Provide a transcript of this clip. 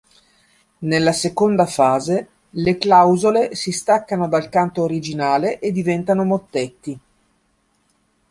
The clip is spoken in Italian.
Nella seconda fase le clausole si staccano dal canto originale e diventano mottetti.